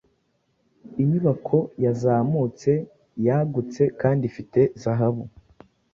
Inyubako yazamutse yagutse kandi ifite zahabu